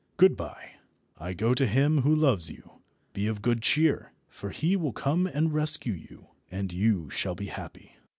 Good bye. I go to him who loves you. Be of good cheer, for he will come and rescue you, and you shall be happy."